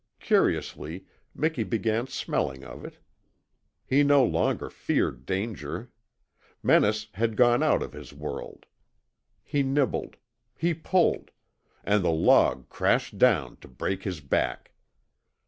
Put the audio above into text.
Curiously Miki began smelling of it. He no longer feared danger. Menace had gone out of his world. He nibbled. He pulled and the log crashed down to break his back.